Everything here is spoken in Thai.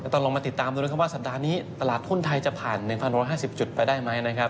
ต้องลองมาติดตามดูนะครับว่าสัปดาห์นี้ตลาดหุ้นไทยจะผ่าน๑๕๐จุดไปได้ไหมนะครับ